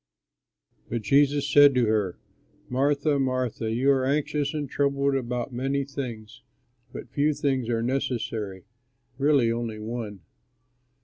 But Jesus said to her, "Martha, Martha, you are anxious and troubled about many things, but few things are necessary, really only one.